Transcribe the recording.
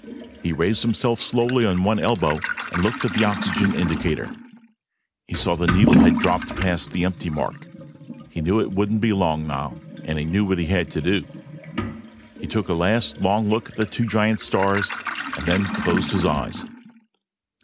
He raised himself slowly on one elbow and looked at the oxygen indicator. He saw that the needle had dropped past the empty mark. He knew it wouldn't be long now. And he knew what he had to do. He took a last long look at the two giant stars, and then closed his eyes.